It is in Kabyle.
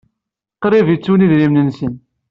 Qṛib i ttun idrimen-nsen.